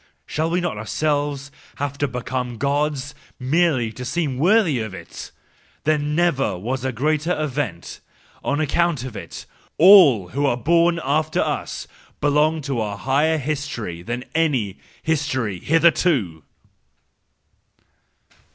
Shall we not ourselves have to become Gods, merely to seem worthy of it ? There never was a greater event,— and on account of it, all who are born after us belong to a higher history than any history hitherto!"